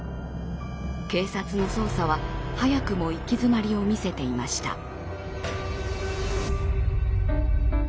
警察の捜査は早くも行き詰まりを見せていました。